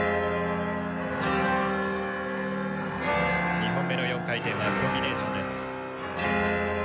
２本目の４回転はコンビネーションです。